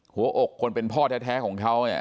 หัวอกคนเป็นพ่อแท้ของเขาเนี่ย